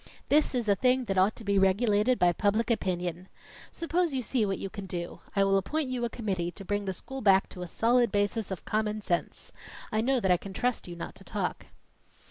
This is a thing that ought to be regulated by public opinion. Suppose you see what you can do I will appoint you a committee to bring the school back to a solid basis of common sense. I know that I can trust you not to talk."